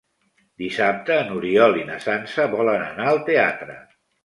Dissabte n'Oriol i na Sança volen anar al teatre.